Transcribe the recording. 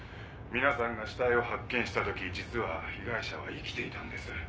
皆さんが死体を発見したとき実は被害者は生きていたんです。